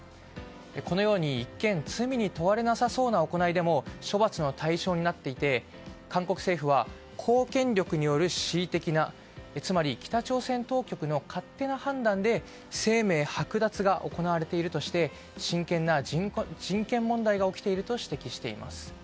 このように一見罪に問われなさそうな行いでも処罰の対象になっていて韓国政府は公権力による恣意的なつまり北朝鮮当局の勝手な判断で生命剥奪が行われているとして深刻な人権問題が起きていると指摘しています。